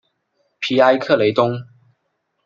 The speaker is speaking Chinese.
皮埃克雷东。